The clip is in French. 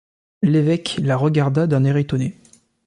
L’évêque la regarda d’un air étonné.